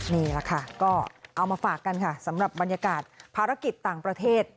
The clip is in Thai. นี่แหละค่ะก็เอามาฝากกันค่ะสำหรับบรรยากาศภารกิจต่างประเทศ